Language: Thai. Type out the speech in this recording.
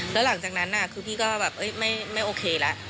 แล้วหลังจากนั้นคือพี่ก็แบบไม่โอเคแล้ว